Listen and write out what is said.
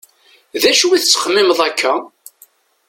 D acu i tettxemmimeḍ akka?